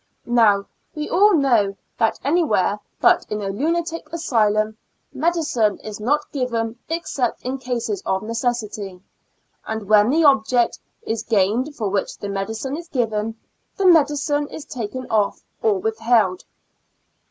Now we all know that anywhere but in a lunatic asylum, medicine is not given except in cases of necessity, and when the object is gained for which the medicine is given, the medicine is taken off or withheld.